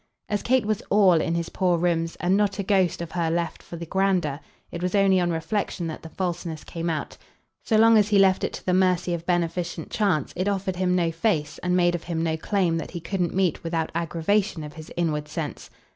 As Kate was ALL in his poor rooms, and not a ghost of her left for the grander, it was only on reflexion that the falseness came out; so long as he left it to the mercy of beneficent chance it offered him no face and made of him no claim that he couldn't meet without aggravation of his inward sense.